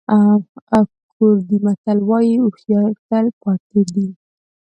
کوردي متل وایي هوښیاري تل پاتې ده.